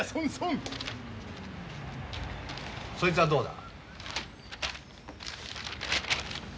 そいつはどうだ？